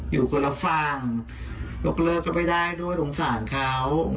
อยู่คนละฝั่ง